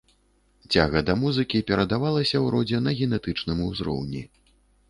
Цяга да музыкі перадавалася ў родзе на генетычным узроўні.